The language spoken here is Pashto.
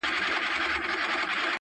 • په پردي لاس مار هم مه وژنه ,